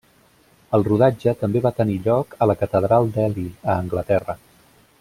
El rodatge també va tenir lloc a la Catedral d'Ely a Anglaterra.